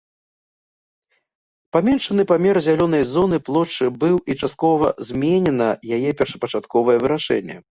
Паменшаны памер зялёнай зоны плошчы быў і часткова зменена яе першапачатковае вырашэнне.